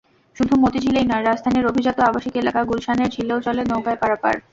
শুধু মতিঝিলেই নয়, রাজধানীর অভিজাত আবাসিক এলাকা গুলশানের ঝিলেও চলে নৌকায় পারাপার।